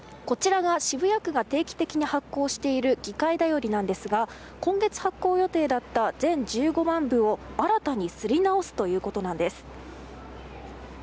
こちらが渋谷区が定期的に発行している区議会だよりなんですが今月発行予定だった全１５万部を新たに刷り直すということなんです。